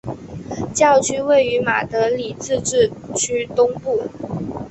教区位于马德里自治区东部。